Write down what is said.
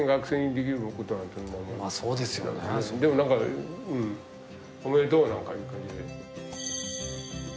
でもなんかうん「おめでとう」なんかいう感じで。